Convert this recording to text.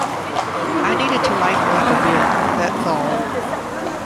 I needed to lighten up a bit, that's all.